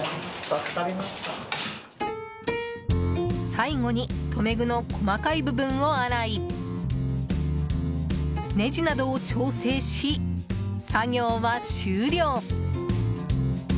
最後に留め具の細かい部分を洗いネジなどを調整し、作業は終了。